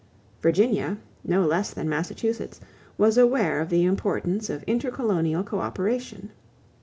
Virginia, no less than Massachusetts, was aware of the importance of intercolonial coöperation.